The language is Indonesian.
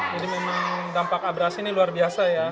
jadi memang dampak abrasi ini luar biasa ya